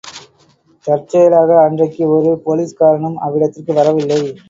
தற்செயலாக அன்றைக்கு ஒரு போலிஸ்காரனும் அவ்விடத்திற்கு வரவில்லை.